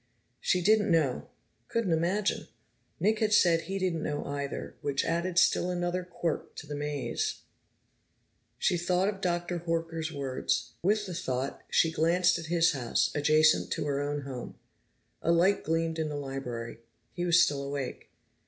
She didn't know, couldn't imagine. Nick had said he didn't know either, which added still another quirk to the maze. She thought of Dr. Horker's words. With the thought, she glanced at his house, adjacent to her own home. A light gleamed in the library; he was still awake.